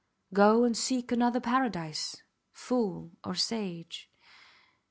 Go and seek another paradise, fool or sage.